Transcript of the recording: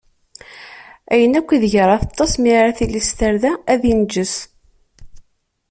Ayen akk ideg ara teṭṭeṣ mi ara tili s tarda, ad inǧes.